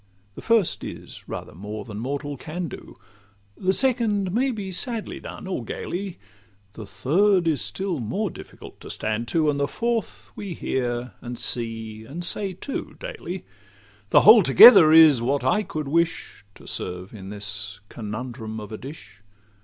The first is rather more than mortal can do; The second may be sadly done or gaily; The third is still more difficult to stand to; The fourth we hear, and see, and say too, daily. The whole together is what I could wish To serve in this conundrum of a dish.